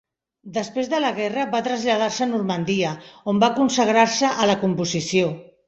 Després de la guerra, va traslladar-se a Normandia, on va consagrar-se a la composició.